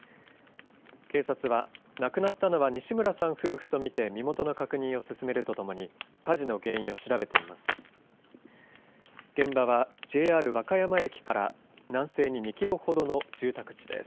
警察は亡くなったのは西村さん夫婦と見て身元の確認を進めるとともに火事の原因を調べています。